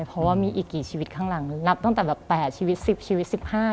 เพราะว่ามีอีกกี่ชีวิตข้างหลังนับตั้งแต่แบบ๘ชีวิต๑๐ชีวิต๑๕